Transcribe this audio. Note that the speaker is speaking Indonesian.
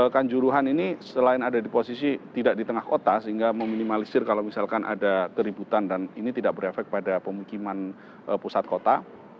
kanjuruhan ini selain ada di posisi tidak di tengah kota sehingga meminimalisir kalau misalkan ada keributan dan ini tidak berefek pada pemukiman pusat kota